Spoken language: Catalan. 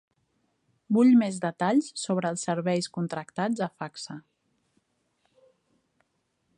Vull més detalls sobre els serveis contractats a Facsa.